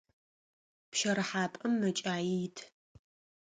Пщэрыхьапӏэм мэкӏаи ит.